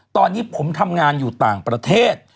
ตอนนี้ผมทำงานอยู่ต่างประเทศ